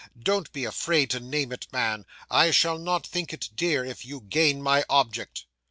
Don't be afraid to name it, man. I shall not think it dear, if you gain my object."